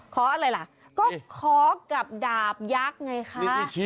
ขออะไรล่ะก็ขอกับดาบยักษ์ไงคะ